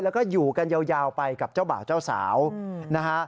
แล้วก็อยู่กันยาวไปกับเจ้าบ่าวเจ้าสาวนะฮะ